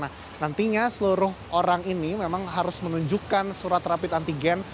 nah nantinya seluruh orang ini memang harus menunjukkan surat rapid antigen